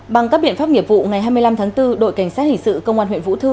bằng các biện pháp nghiệp vụ ngày hai mươi năm tháng bốn đội cảnh sát hình sự công an huyện vũ thư